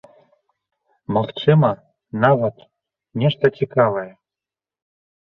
Магчыма, нават, нешта цікавае.